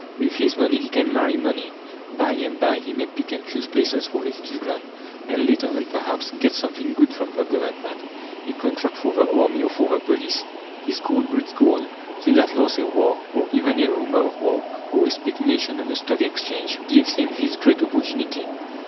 With his money he can "marry money"; by and by he may pick and choose places for his children, and later on perhaps get something good from the Government a contract for the army or for the police. His gold breeds gold; till at last a war, or even a rumour of war, or a speculation on the Stock Exchange, gives him his great opportunity.